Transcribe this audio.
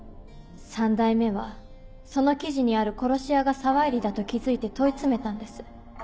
三代目はその記事にある殺し屋が沢入だと気付いて問い詰めたんです。